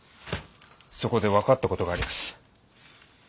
そこで分かった事があります。